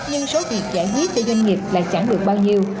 nhưng số việc trả huyết cho doanh nghiệp lại chẳng được bao nhiêu